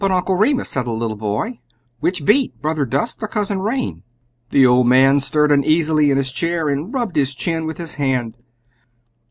"But, Uncle Remus," said the little boy, "which beat, Brother Dust or Cousin Rain?" The old man stirred uneasily in his chair, and rubbed his chin with his hand.